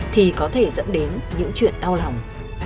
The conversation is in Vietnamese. thì có thể dẫn đến những chuyện đau lòng